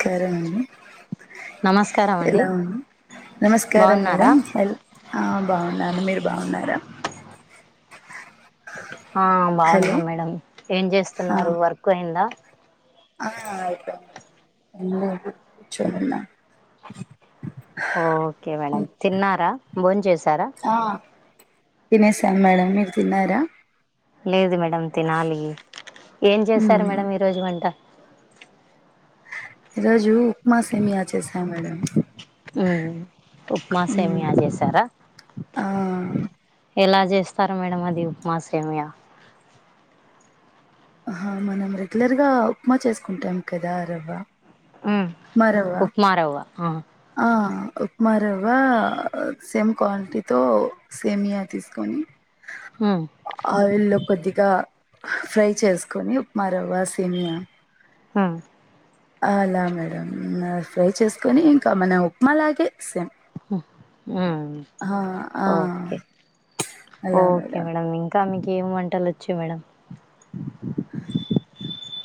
సరేనండి నమస్కారమండి నమస్కారం మేడం హ బాగున్నాను మీరు బాగున్నారా ఆ బాగున్నా హలో మేడం ఏం ఆ చేస్తున్నారు వర్క్ అయిందా [unintelligible] ఓకే మేడం తిన్నారా భోన్ చేసార తినేసం మేడం మీరు తిన్నార లేదు మేడంమ్ తినాలి ఏం చేశారు మ్మ్ మేడం ఈ రోజు వంట ఈరోజు ఉప్మా సేమియ చేశా మేడం ఉప్మా సేమియా మ్మ్ చేసారా ఆ ఎలా చేస్తారు మేడం అది ఉప్మా సేమియ మనం రెగ్యులర్గా ఉప్మా చేసుకుంటాం కదా రవ్వ మ్మ్ ఉప్మా రవ్వ ఉప్మా రవ్వ ఆ మరవ్వ సేమ్ క్వాన్టీతో సేమియా తీసుకొని మ్మ్ ఆయిల్ లో కొద్దిగా ఫ్రై చేసుకొని ఉప్మా రవ్వ సేమియా హ అలా మేడం ఫ్రై చేసుకొని ఇంకా మన ఉప్మా లాగే మ్మ్ ఆ ఆ ఒకే మేడం ఇంకా మీకు ఏమి వంటలు ఒచ్చు మేడం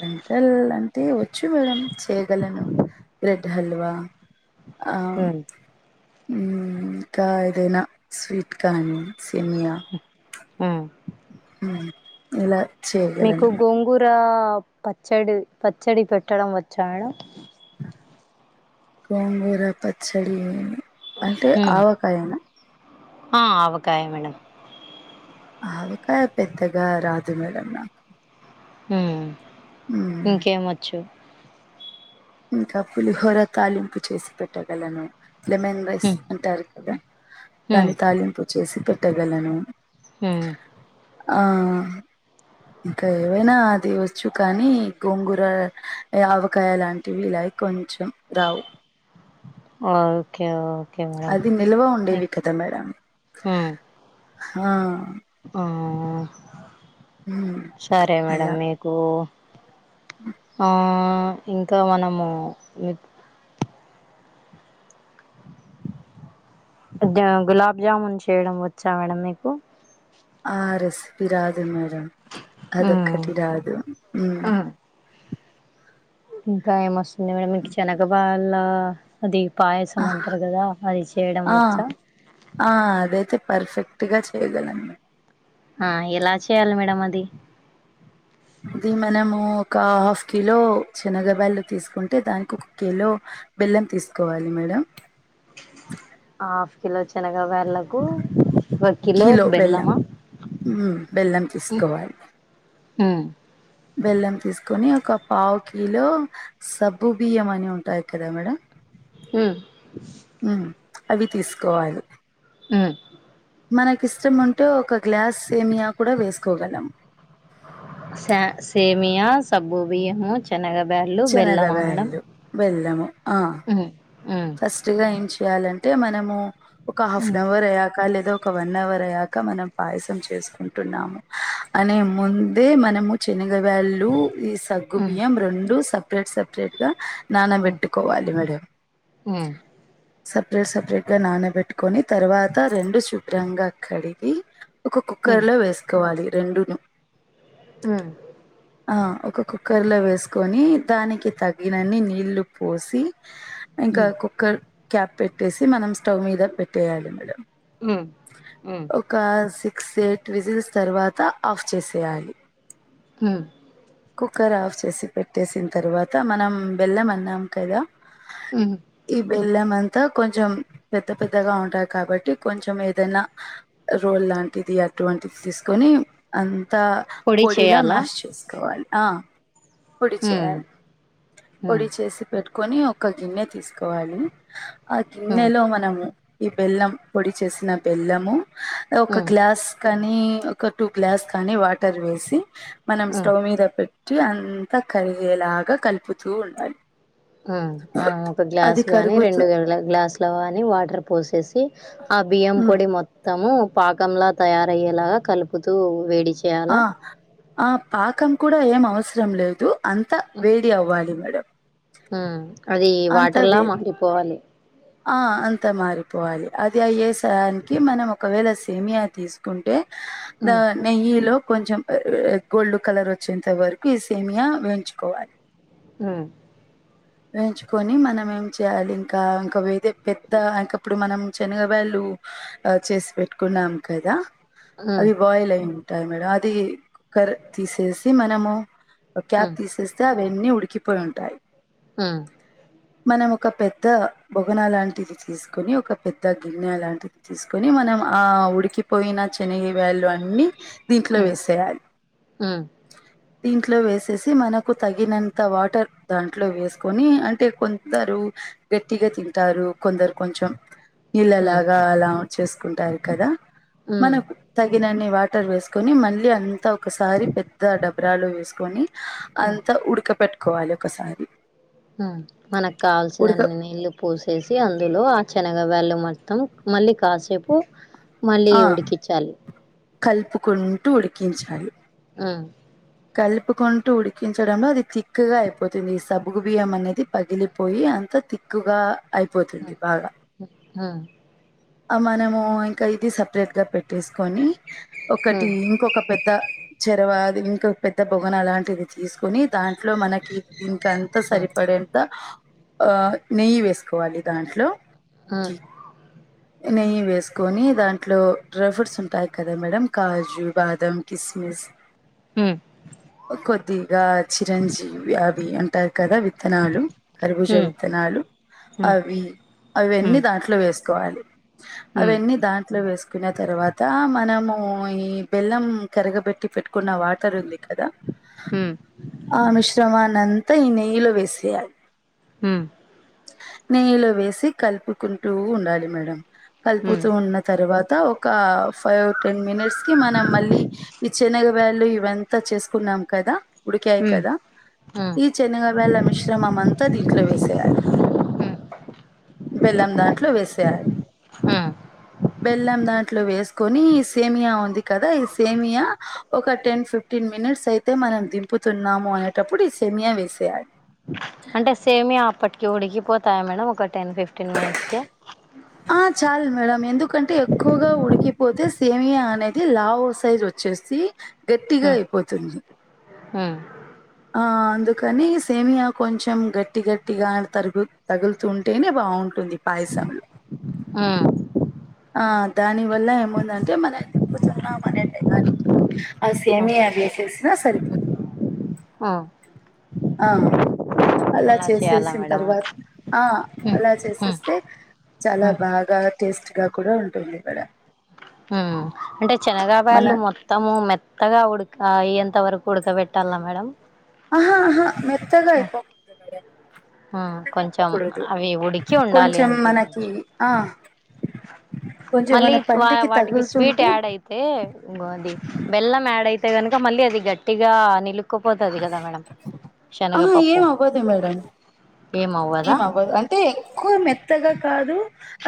వెంటల్ అంటే వచ్చు మేడం చేయగలను బ్రెడ్ హల్వా మ్మ్ ఇంకా ఏదైనా స్వీట్ కానీ సేమియా మ్మ్ ఇలా మీకు చేయగలను మేడం గోంగుర పచ్చడి పచ్చడి పెట్టడం వచ్చా మేడం గోంగూర పచ్చడి అంటే హ్మ్ ఆవకాయన ఆ అవుకాయ మేడం ఆవకాయ పెద్దగా రాదు మేడం నాకు మ్, ఇంకేం ఓచ్చు ఇంకా పులిహోర తాలింపు చేసి పెట్టగలను లెమన్ రైస్ హ్మ్ అంటారు కదా హ్మ్ దాని తాలింపు చేసి పెట్టగలను హ ఆ ఇంకా ఏవైనా అది వచ్చు కానీ గోంగూర ఆవకాయ లాంటి టివ లై కొంచం రావు ఓకేఓక అది నిల్వ ఉండేవి కదా మేడం హ్మ్ ఆ ఆ ఉమ్ సరే అలా మేడంమ్ మీకు ఇంకా మనము గులాబ్ జామున్ చేయడం వచ్చా మేడంమ్ మీకు ఆ రెసిపీ రాదు మేడం హ్మ్ అదొక్కటి రాదు హ్మ్ ఇంకా ఏమొస్తుంది మేడం ఇంక చెనగ బాల్ల అది ఆ పాయసం అంటారు కదా అది చేయడం ఆ వచ్చా ఆ అదైతే పర్ఫెక్ట్ గా చేయగలను మే ఆ ఎలా చేయాలి మేడం అది ఇది మనము ఒక హాఫ్ కిలో శనగబ్యాల్లు తీసుకుంటే దానికి ఒక కిలో బెల్లం తీసుకోవాలి మేడం ఆఫ్ కిలో చనగ బ్యాల్లకు ఒక కిలో బెల్లమా మ్మ్. బెల్లం తీసుకోవాలి ఉమ్ బెల్లం తీసుకుని ఒక పావు కిలో సబ్బు బియ్యం అని ఉంటాయి కదా మేడం ఉమ్ ఉమ్ అవి తీసుకోవాలి ఆ మనకిష్టం ఉంటే ఒక గ్లాస్ సేమియా కూడా వేసుకోగలం స సేమయా సబ్బుబియ్యము చెనగ బ్యాల్లు శనగ బెళ్ళమా మేడమ్ బెల్లు బెల్లము ఆ ఫస్ట్గా ఏం చెయాలంటే మనము ఒక హాఫ్ ఉమ్ అన్ అవర్ లేదా ఒక వన్ అవర్ అయ్యాక మనం పాయసం చేసుకుంటున్నాము అనే ముందే మన నము చనగబాళ్ళు ఈ సగ్గు బియ్యం రెండు సపరేట్ సపరేట్ గా నానబెట్టుకోవాలి మేడం ఉమ్ సపరేట్ సపరేట్ గా నానబెట్టుకొని తర్వాత రెండు శుభ్రంగా కడిగి ఒక ఉమ్ కుక్కర్లో వేసుకోవాలి రెండును ఉమ్ ఆ ఒక కుక్కర్ లో వేసుకొని దానికి తగినన్ని నీళ్లు పోసి ఉమ్ ఇంకా ఉమ్ కుక్కర్ క్యాప్ పెట్టేసి మనం స్టవ్ మీద పెట్టేయాల మడం ఉమ్ ఉమ్ ఒక సేట్ విజిల్స్ తర్వాత ఆఫ్ చేసేయాలి ఉమ్ కుక్కర్ ఆఫ్ చేసి పెట్టేసిన తర్వాత మనం బెల్లం అన్నాం కదా ఉమ్ ఇ బెల్లమం అ కొంచెం పెద్ద పెద్దగా ఉంటాయి కాబట్టి కొంచెం ఏదైనా రోల్ లాంటిది అ అటువంటి తీసుకొని అ కొత్త పొడి పొడిలా చేయాలా మ్యాష్ చేసుకోవాలి ఆ పొడి ఉమ్ చేయాలి ఉమ్ పొడి చేసి పెట్టుకొని ఒక గిన్నె తీసుకోవాలి ఆ ఉమ్ గిన్నెలో మనము ఈ బెల్లం పొడి చేసిన బెల్లము ఒక ఉమ్ గ్లాస్ కానీ ఒక టూ గ్లాస్ కానీ వాటర్ వేసి మనం ఉమ్ స్టవ మీద పెట్టి అంత కరిగేలాగా కలుపుతూ ఉండాలి ఆ మనం ఒక గ్లాస్ అది గాని కరుగుతూ రెండు గ్లాసు లో కాని వాటర్ పోసేసి ఆ బియ్యం ఉమ్ పొడి మొత్తము పాకంలా తయారయ్యేలాగా కలుపుతూ వేడి చేయాల ఆ ఆ పాకం కూడా ఏం అవసరం లేదు అంతా వేడి అవ్వాలి మేడం, హు అది అంత వాటర్లా వే మరిపోవాలి, ఆ అంతా మారిపోవాలి అది అయ్యేసానికి మనం ఒకవేళ సేమియా తీసుకుంటే, ద హ్మ్. నెయ్యి లో కొంచెం గోల్డ్ కలర్ వచ్చేంత వరకు ఈ సేమియా వేయించుకోవాలి, ఉ వేంచుకొని మనం ఏం చేయాలి ఇంకా ఒక ఏదే పెద్ద అంకప్పుడు మనం శనగవాళ్ళు చేసి పెట్టుకున్నాం కదా హ్మ్. అవి బాయిల్ అయి ఉంటాయి మేడం అది కుక్కర్ తీసేసి మనము ఒక క్యాప్ హ్మ్. తీసేస్తే అవన్నీ ఉడికిపోయి ఉంటాయి. ఉ మనం ఒక పెద్ద బొగన లాంటిది తీసుకొని ఒక పెద్ద గిన్నె లాంటిది తీసుకొని మనం ఆ ఉడికిపోయిన, శనగ వేళు అన్నిీ దీంట్లో హ్మ్. వేసేయాలి హ్మ్. దీంట్లో వేసేసి మనకు తగినంత వాటర్ దాంట్లో వేసుకొని అంటే కొందరు గ గట్టిగా తింటారు కొందరు కొంచెం హ్మ్. నీళ్ళలాగా అలా చేసుకుంటారు, కదా హ్మ్. మనకు తగినన్ని వాటర్ వేసుకొని మళ్ళీ అంతా ఒకసారి పెద్ద డబ్బ్రాలు వేసుకొని అంతా ఉడక పెట్టుకోవాలి ఒకసారి ఉ మనకు ఉడక కావల్సినన్ని నీళ్ళలు పూసేసి అందులో ఆ శనగా వేళ్ళు మొత్తం మళ్ళీ కాసేపు మళ్ళీ ఆ ఉడికించాలి కలుపుకుంటూ ఉడికించాలి ఉ కలుపుకుంటూ ఉడికించడంలో అది తిక్గా అయిపోతుంది ఈ సబుగు బియ్యం అనేది పగిలిపోయి, అంతా తిక్కుగా అయిపోతుంది బాగా ఉ మనము ఇంకా ఇది సపరేట్ గా పెట్టేస్త కని ఒకటి హ్మ్. ఇంకొక పెద్ద చెరవ ఇంక పెద్ద బొగన అలాంటివి తీసుకుని దాంట్ ఇట్లో మనకి దీనికి అంతా హ్మ్. సరిపడేంత నెయ్యి వేసుకోవాలి దాంట్లో హ్మ్. నెయ్యి వేసుకొని దాంట్లో డ్రై ఫ్రూట్స్ ఉంటాయి కదా మేడ కాజు బాదం కిస్మిస్ హ్మ్. కొద్దిగా చిరంజీవి వ్యాభి అంట ఉంటాయి కదా విత్తనాళ్లు కరిభుజ హ్మ్. విత్తనాలు హ్మ్ అవి అవి అన్నీ హ్మ్ దాంట్లో వేసుకోవాలి, హ్మ్ అవన్నీ దాంట్లో వేసుకు సుకున్న తర్వాత మనము ఈ బెల్లం కరగబెట్టి పెట్టు న్న వాటర్ ఉంది కదా హ్మ్ ఆ మిశ్రమానంత అంత ఈ నెయ్యి లో వేసేయాలి, ఉ నెయ్యిలో వేసి కలుపుకుంటూ ఉండాలి మేడం హ్మ్ కలుపుతూ ఉన్న తర్వాత ఒక ఫైవ్ టెన్ మినిట్స్ కి మనం మళ్ళీ ఇచ్చే, నెయ్యి వళ్ళు ఇవంతా చేసుకున్నాం కదా ఉడికాయి హ్మ్ హ్మ్ కదా హ్మ్ ఈ శనగ వేళ్ళ మిశ్రమమంతా దీంట్లో వేసేయలి, బెల్లం దాంట్లో వేసేయాలి హు బెల్లం దాంట్లో వేసుకొని సేమియా ఉంది కదా ఈ సేమియా ఒక టెన్ ఫిఫ్టీన్ ఫిఫ్టీన్ మినిట్స్ అయితే మనం దింపుతున్నాము, అనేటప్పుడు ఈ సెమయా వేసేయాలి అంటే సేమియా అప్పటికి ఉడికిపోతాయా మేడం ఒక టెన్ ఫిఫ్టీన్ మినిట్స్కి ఆ చాలు మేడం ఎందుకంటే ఎక్కువగా ఉడికిపోతే సేమియా అనేది లావ సైజ్ వచ్చేసి, గట్టిగా అయిపోతుంది ఆ అందుకని సేమియా కొంచెం గట్టి గట్టిగా తరుగు తగులుతుంటేనే బా బావుంటుంది పాయసంలో ఆ ఆ దాని వల్ల ఏముందంటే మనం దిప్పుతున్నాం అనే టయానికి అ సేమియా చేసేసినా సరిపోదు ఆ అలా చేయాలా చేసేసిన మేడం అది తర్వాత ఆ హ్మ్. అలా హ్మ్. చేసేస్తే చాలా హ్మ్. బాగా టేస్ట్ గా కూడా ఉంటుంది ఇక్కడ ఉమ్ అంటే శనగా బ్యాళ్లు మొత్తం మెత్ త్తగా ఉడక ఎంత వరకు ఉడకబెట్టాలా మేడం ఆహా ఆహా హ్మ్. మెత్తగాయిపోకూడదు మేడం హ్మ్. మెత్తగా కొంచెం అవ్వకూడదు అవి ఉడికి ఉండాలి కొంచెం అంతే మనకి కొంచెం ఆ కొంచెం మళ్ళీ మన వా పంటికి వాటికి స్వీట్ తగులుతుంటే యాడ్ అయితే ఇంగోది అది బెల్లం యాడ్ అయి తే గనుక మళ్ళీ అది గట్టిగా నిలు అతుక్కపోతుంది కదా మేడం ఆ శనగపప్పు ఏం అవ్వదా ఏమవ్వదు అంటే ఎక్కువ మెత్తగా కాదు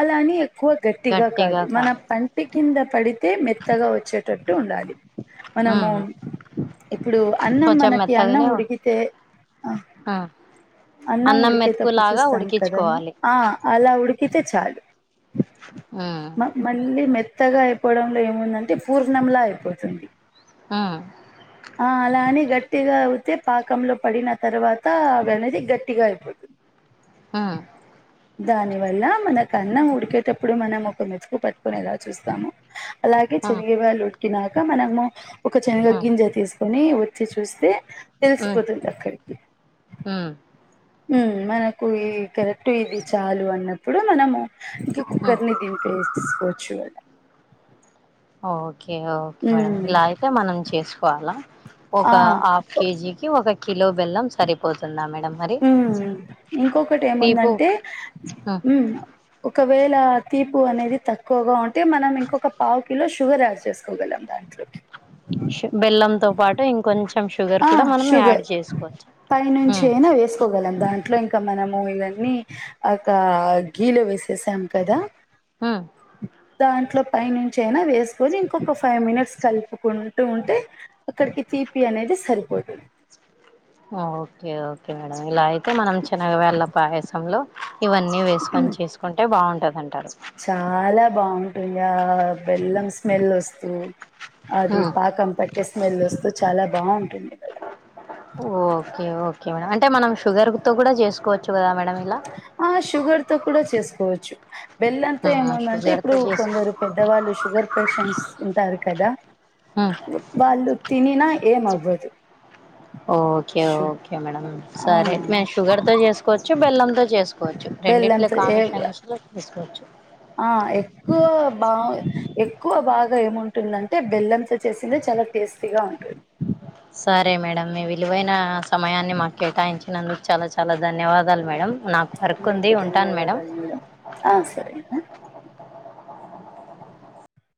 అలా అని ఎక్కువ గట్టిగా కాదు మన పంటి కింద పడితే మెత్తగా వచ్చేటట్టు ఉండాలి మనము ఉమ్ ఇప్పుడు అన్నం కొంచెం మనకి అన్నం మెత్తగానే ఉడికితే ఆ అన్నం ఉడికే తప్పుడు మెతుకులాగా చూస్తాను కదా ఉడికించుకోవాలి ఆ అలా ఉడి కితే చాలు ఉమ్ మ మళ్ళీ మె త్తగా అయిపోవడంలో ఏముందంటే పూర్ణంలా అయిపోతుంది ఉమ్ ఆ అలా అని గట్టిగా అయితే పాకంలో పడిన తర్వాత అవి అనేది గట్టిగా అయిపోతు ఆ దాని వల్ల మనకన్నం ఉడికేటప్పుడు మనం ఒక మెతుకు పట్టుకోని ఎలా చూస్తాము అలాగే ఉమ్ శనగి బ్యాళ్లు ఉడికినాక మనము ఒక శనగ ఉమ్ గింజ తీసుకొని వచ్చి చూస్తే ఉమ్ తెలుసిపోతుంది అక్కడికి ఉమ్ ఉమ్ మనకు ఈ కరెక్ట్ ఇది చాలు అన్నప్పుడు మనము ఇంక ఉమ్ కుక్కర్ని దింపేసుకోవచ్చు ఓకే ఓకే మేడం ఉమ్ ఇలా అయితే మనం చేసుకోవాలా ఒక ఆ హాఫ్ కేజీకి ఒక కిలో బెల్లం సరిపోతుందా మేడం మరి ఉమ్ ఇంకొకటి తీపు ఏముందంటే ఉమ్ ఒకవేళ తీపు అనేది తక్కువగా ఉంటే మనం ఇంకొక పావు కిలో షుగర్ యాడ్ చేసుకోగలం దాంట్లోకి బెల్లంతో పాటు ఇంకొంచెం షుగర్ ఆ కూడా మనం యాడ్ షుగర్ చేసుకోవచ్చు పై నుంచి ఉమ్ అయినా వేసుకోగలం దాంట్లో ఇం క మనము ఇవన్నీ ఒక గీలో వేసేసాం కదా ఆ దాంట్లో పైనుంచి అయినా వేసుకొని ఇంకొక ఫైవ్ మినిట్స్ కలుపుకుంటూ ఉంటే అక్కడికి తి తిపి అనేది సరిపోతుంది ఓకే ఓకే మేడం ఇలా అయితే మనం శనగ బ్యాలా పాయసంలో ఇవన్నీ వేసుకొని చేసుకుంటే బాగుంటదండి చాలా బాగుంటుంది ఆ బెల్లం స్మెల్ వస్తు అది పాకం పట్టే స్మెల్ వస్తూ చాలా బాగుంటుంది కదా. ఓకే ఓకే మేడం అంటే మనం షుగర్ తో కూడా చేసుకోవచ్చు కదా మేడం ఇలా ఆ షుగర్ తో కూడా చేసుకోవచ్చు బెల్లంతో హ్మ్ ఏముందంటే షుగర్ తో ఇప్పుడు చేసు కొందరు పెద్దవాళ్ళు షుగర్ పేషెంట్స్ ఉంటారు కదా హ్మ్ వాళ్ళు తినిన ఏమవ్వదు. Okay okay madam. ఆ సరే మేము షుగర్ తో చేసుకోవచ్చు బెల్లంతో చేసుకోవచ్చు. రెండిట్ల బెల్లంతో ఏ కమిషన్స్ లో తీసుకోవచ్చు. ఆ ఎక్కువ బా ఎక్కువ బాగా ఏముం టుందంటే బెల్లంతో చేసిందే చాలా టేస్టీగా ఉంటుంది. సరే మేడం మీ విలువైన సమయాన్ని మాక్కేటాయించినందుకు చాలా చాలా ధన్యవాదాలు మేడం. నాకు వర్క్ ఉంది మీకు ఉంటాను మేడం. ధన్యవాదాలు ఆ సరే